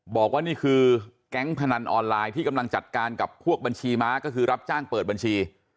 บอกว่านี่คือแก๊งพนันออนไลน์ที่กำลังจัดการกับพวกบัญชีม้าก็คือรับจ้างเปิดบัญชี